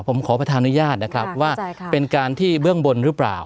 ผมขอประธานอนุญาตนะครับว่าเป็นการที่เบื้องบนหรือเปล่า